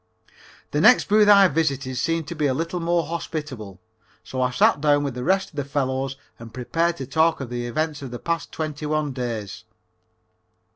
The next booth I visited seemed to be a little more hospitable, so I sat down with the rest of the fellows and prepared to talk of the events of the past twenty one days.